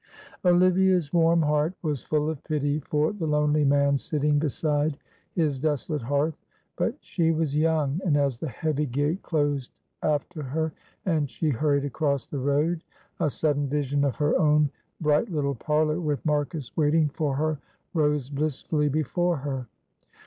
Olivia's warm heart was full of pity for the lonely man sitting beside his desolate hearth, but she was young, and as the heavy gate closed after her, and she hurried across the road, a sudden vision of her own bright little parlour with Marcus waiting for her rose blissfully before her.